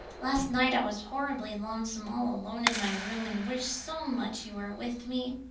Last night I was horribly lonesome all alone in my room and wished so much you were with me.